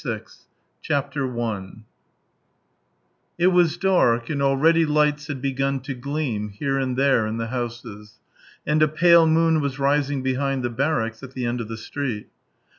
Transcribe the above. THREE YEARS THREE YEARS I It was dark, and already lights had begun to gleam here and there in the houses, and a pale moon was rising behind the barracks at the end of the street.